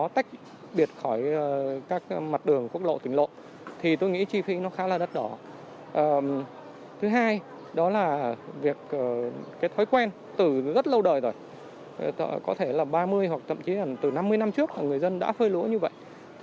tậm chí là từ năm mươi năm trước người dân đã phơi lúa như vậy